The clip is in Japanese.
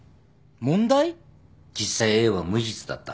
実際Ａは無実だった。